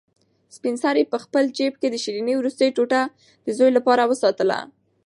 سپین سرې په خپل جېب کې د شیرني وروستۍ ټوټه د زوی لپاره وساتله.